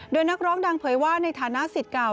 โดยนักร้องดังเผยว่าในฐานะสิทธิ์เก่า